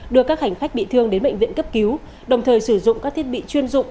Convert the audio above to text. đưa các hành khách bị thương đến bệnh viện cấp cứu đồng thời sử dụng các thiết bị chuyên dụng